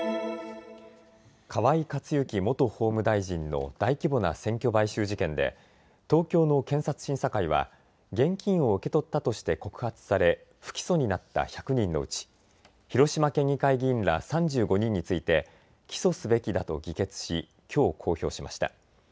河井克行元法務大臣の大規模な選挙買収事件で東京の検察審査会は現金を受け取ったとして告発され、不起訴になった１００人のうち、広島県議会議員ら３５人について起訴すべきだと議決し、きょう公表しました。